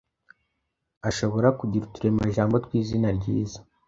Ashobora kugira uturemajambo tw’izina ryiza